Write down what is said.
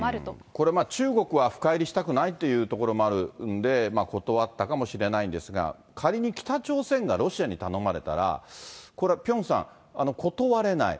これ、中国は深入りしたくないというところもあるんで、断ったかもしれないんですが、仮に北朝鮮がロシアに頼まれたら、これはピョンさん、断れない。